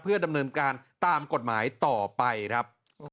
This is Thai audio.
ดำเนินการตามกฎหมายต่อไปครับ